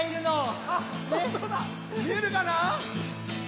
見えるかな？